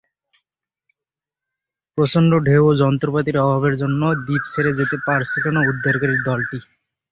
প্রচণ্ড ঢেউ ও যন্ত্রপাতির অভাবের জন্য দ্বীপ ছেড়ে যেতে পারছিল না উদ্ধারকারী দলটি।